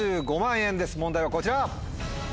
問題はこちら。